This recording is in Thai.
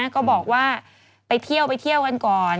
ก็บอกว่าไปเที่ยวกันก่อน